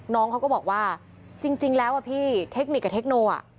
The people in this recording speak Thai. น้องเขาก็บอกว่าจริงแล้วพี่เทคนิคกับเทคโน